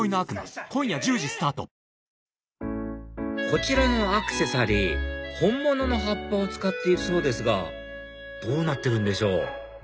こちらのアクセサリー本物の葉っぱを使っているそうですがどうなってるんでしょう？